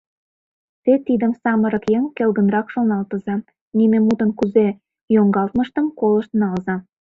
Те тидым, самырык еҥ, келгынрак шоналтыза, нине мутын кузе йоҥгалтмыштым колышт налза.